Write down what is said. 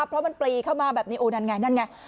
เพราะมันปลีเข้ามาแบบนี้โอ้นั่นไงนั่นไง